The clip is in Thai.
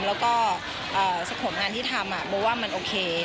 และสะขดงานที่ทำก็ไม่เป็นว่ามันโอเค